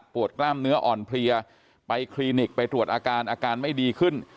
กล้ามเนื้ออ่อนเพลียไปคลินิกไปตรวจอาการอาการไม่ดีขึ้น